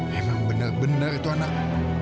memang benar benar itu anak